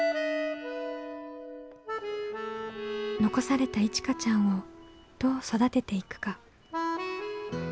残されたいちかちゃんをどう育てていくか。